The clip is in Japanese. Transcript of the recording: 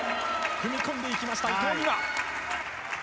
踏み込んできました、伊藤美誠。